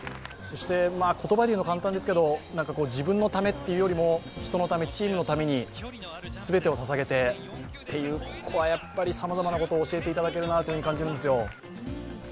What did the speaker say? そして言葉で言うのは簡単ですけど、自分のためというよりも人のため、チームのために全てをささげてというここはやっぱりさまざまなことを教えていただけるなと感じるんですよ。